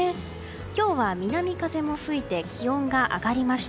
今日は南風も吹いて気温が上がりました。